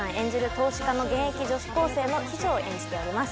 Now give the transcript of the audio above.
投資家の現役女子高生の秘書を演じております